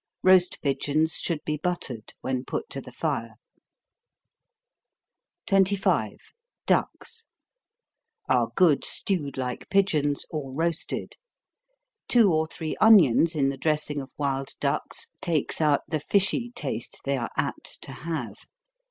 Roast pigeons should be buttered when put to the fire. 25. Ducks. Are good stewed like pigeons, or roasted. Two or three onions in the dressing of wild ducks, takes out the fishy taste they are apt to have.